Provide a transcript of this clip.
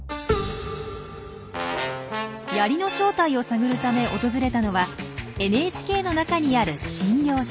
ヤリの正体を探るため訪れたのはＮＨＫの中にある診療所。